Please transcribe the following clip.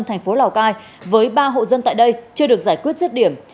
thành phố lào cai với ba hộ dân tại đây chưa được giải quyết rứt điểm